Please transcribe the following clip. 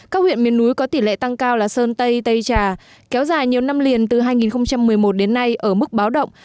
các huyện miền núi có tỷ lệ tăng cao là sơn tây tây trà kéo dài nhiều năm liền từ hai nghìn một mươi một đến nay ở mức báo động